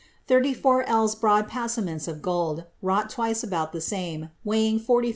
Thirty four ells broad passaments of gold, wrought twice about the same, weighing 44 oz.